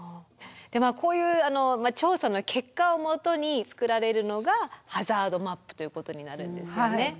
こういう調査の結果をもとに作られるのがハザードマップということになるんですよね。